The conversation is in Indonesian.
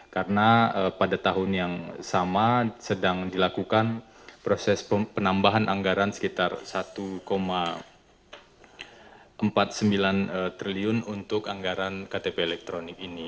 karena pada tahun yang sama sedang dilakukan proses penambahan anggaran sekitar rp satu empat puluh sembilan triliun untuk anggaran ktp elektronik ini